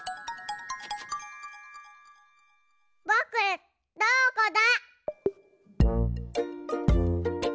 ぼくどこだ？